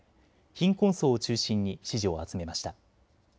貧困層を中心に支持を集めました。